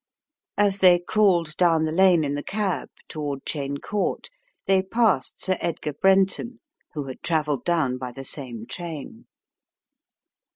As they crawled down the lane in the cab, toward Cheyne Court, they passed Sir Edgar Brenton who had travelled down by the same train.